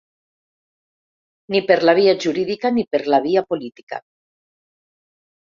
Ni per la via jurídica ni per la via política.